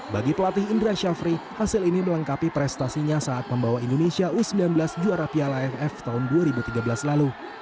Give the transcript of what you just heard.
bagi pelatih indra syafri hasil ini melengkapi prestasinya saat membawa indonesia u sembilan belas juara piala aff tahun dua ribu tiga belas lalu